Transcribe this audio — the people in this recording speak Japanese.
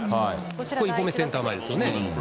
これ１本目、センター前ですよね。